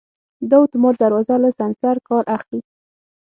دا اتومات دروازه له سنسر کار اخلي.